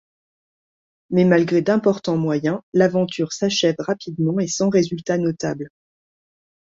Mais malgré d'importants moyens, l'aventure s'achève rapidement et sans résultats notables.